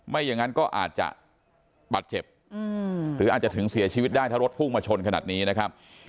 อย่างนั้นก็อาจจะบาดเจ็บหรืออาจจะถึงเสียชีวิตได้ถ้ารถพุ่งมาชนขนาดนี้นะครับ